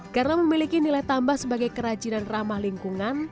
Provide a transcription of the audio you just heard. karena memiliki nilai tambah sebagai kerajinan ramah lingkungan